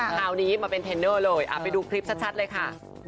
คราวนี้มาเป็นเทรนเนอร์เลยไปดูคลิปชัดเลยค่ะ